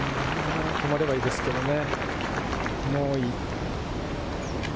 止まればいいですけれどもね。